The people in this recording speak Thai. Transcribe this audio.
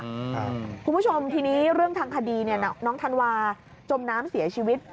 คุณผู้ชมทีนี้เรื่องทางคดีเนี่ยน้องธันวาจมน้ำเสียชีวิต